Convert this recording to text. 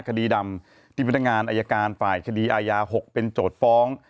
คดีดำที่พนักงานอายการฝ่ายคดีอายา๖เป็นโจทย์ฟ้อง